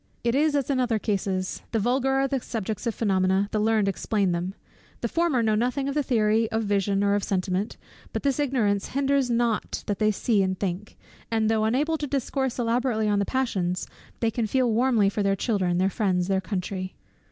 It is as in other cases; the vulgar are the subjects of phænomena, the learned explain them: the former know nothing of the theory of vision or of sentiment; but this ignorance hinders not that they see and think, and though unable to discourse elaborately on the passions, they can feel warmly for their children, their friends, their country.